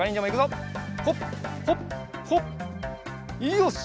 よし！